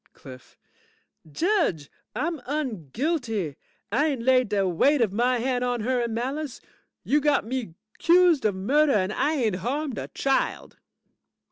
CLIFF Judge, I'm unguilty! I ain't laid de weight of my hand on her in malice. You got me 'cused of murder and I ain't harmed a child.